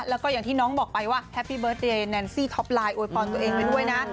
แล้วก็อย่างที่น้องบอกไปว่าแฮปปี้เบิร์ตเดย์แนนซี่ท็อปไลน์อวยพรตัวเองไปด้วยนะ